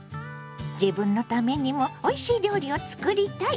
自分のためにもおいしい料理を作りたい！